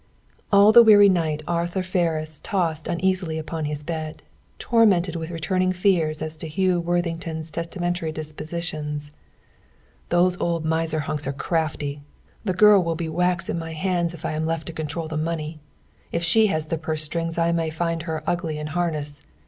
All the weary night Arthur Ferris tossed uneasily upon his bed, tormented with returning fears as to Hugh Worthington's testamentary dispositions. "Those old miser hunks are crafty! The girl will be wax in my hands if I am left to control the money. If she has the purse strings I may find her ugly in harness.